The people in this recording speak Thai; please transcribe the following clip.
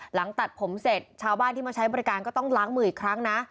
หลังตัดผมเสร็จชาวบ้านที่มาใช้บริการก็ต้องล้างมืออีกครั้งนะ